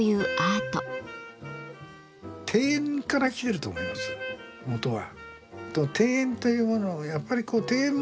庭園から来てると思います元は。